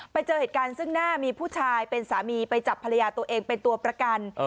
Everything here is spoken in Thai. ไปเจอเหตุการณ์ซึ่งหน้ามีผู้ชายเป็นสามีไปจับภรรยาตัวเองเป็นตัวประกัน